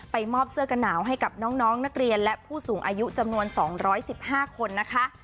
มอบเสื้อกันหนาวให้กับน้องนักเรียนและผู้สูงอายุจำนวน๒๑๕คนนะคะ